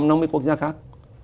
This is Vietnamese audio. ở một trăm năm mươi quốc gia khác